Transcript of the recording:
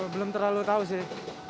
belum terlalu tahu sih